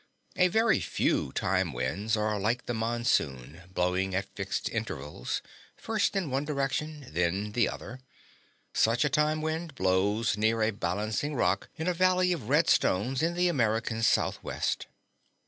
A very few time winds are like the monsoon, blowing at fixed intervals, first in one direction, then the other. Such a time wind blows near a balancing rock in a valley of red stones in the American Southwest.